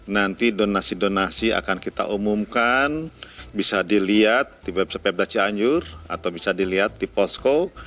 nanti donasi donasi akan kita umumkan bisa dilihat di website pebda cianjur atau bisa dilihat di posko